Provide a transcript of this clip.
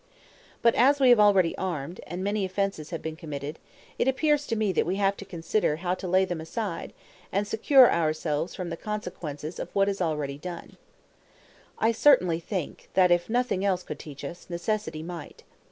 But as we have already armed, and many offenses have been committed, it appears to me that we have to consider how to lay them aside, and secure ourselves from the consequences of what is already done. I certainly think, that if nothing else could teach us, necessity might.